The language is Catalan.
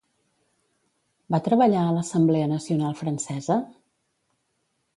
Va treballar a l'Assemblea Nacional Francesa?